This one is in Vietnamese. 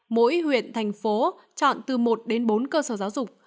mỗi huyện thành phố chọn từ một đến bốn cơ sở giáo dục